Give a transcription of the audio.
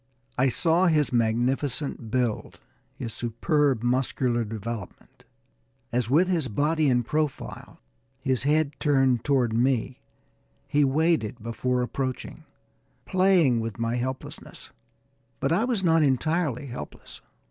I saw his magnificent build, his superb muscular development, as with his body in profile, his head turned toward me, he waited before approaching, playing with my helplessness; but I was not entirely helpless!